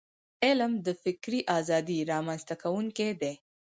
علم د فکري ازادی رامنځته کونکی دی.